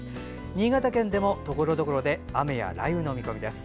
新潟県でもところどころで雨や雷雨の見込みです。